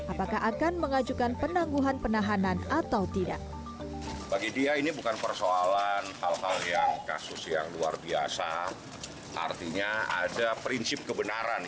apakah akan mengajukan penangguhan penahanan